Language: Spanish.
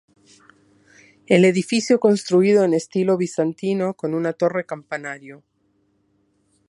El edificio construido en estilo bizantino con una torre campanario.